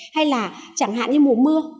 hay là chẳng hạn như mùa mưa